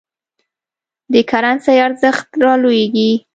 د کرنسۍ ارزښت رالویږي.